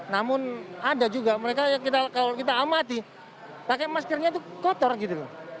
namun ada juga mereka kalau kita amati pakai maskernya itu kotor gitu loh